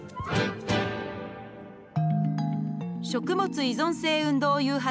食物依存性運動誘発